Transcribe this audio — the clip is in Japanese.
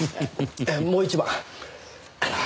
もう一番。